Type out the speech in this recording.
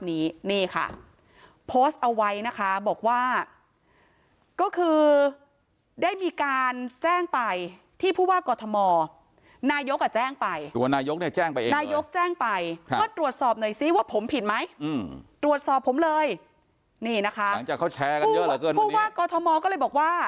นี่นะคะหลังจากเขาแชร์กันเยอะแหละเกินผู้ว่ากกฏมก็เลยบอกว่า